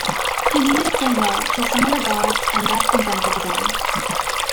He needed a signal to summon the gods and thus invented the gong.